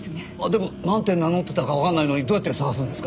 でもなんて名乗ってたかわからないのにどうやって探すんですか？